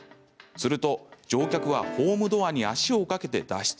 すると乗客はホームドアに足をかけて脱出。